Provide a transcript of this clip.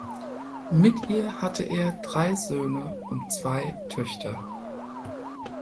Mit ihr hatte er drei Söhne und zwei Töchter.